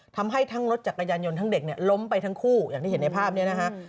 ทำให้ทั้งรถจักรยานยนต์ทั้งเด็กเนี่ยล้มไปทั้งคู่อย่างที่เห็นในภาพนี้นะฮะ